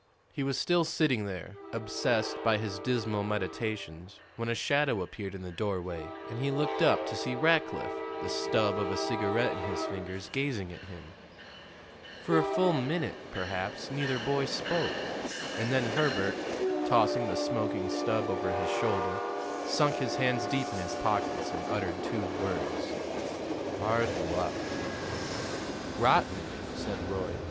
He was still sitting there, obsessed by his dismal meditations, when a shadow appeared in the doorway, and he looked up to see Rackliff, the stub of a cigarette in his fingers, gazing at him. For a full minute, perhaps, neither boy spoke; and then Herbert, tossing the smoking stub over his shoulder, sunk his hands deep in his pockets and uttered two words: "Hard luck." "Rotten," said Roy.